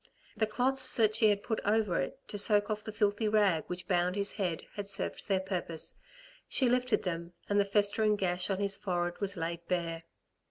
The cloths that she had put over it to soak off the filthy rag which bound his head had served their purpose. She lifted them and the festering gash on his forehead was laid bare.